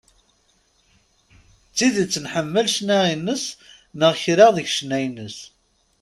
D tidet nḥemmel ccna-ines, neɣ kra seg ccna-ines.